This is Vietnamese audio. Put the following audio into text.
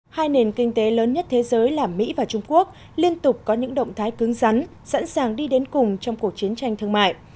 hai nền kinh tế lớn nhất thế giới là mỹ và trung quốc liên tục có những động thái cứng rắn sẵn sàng đi đến cùng trong cuộc chiến tranh thương mại